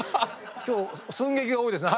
今日寸劇が多いですね。